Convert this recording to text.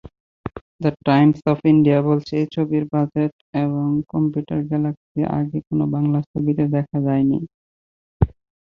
The Times of India বলেছে, এই ছবির বাজেট এবং কম্পিউটার গ্রাফিক্স আগে কোন বাংলা ছবিতে দেখা যায়নি।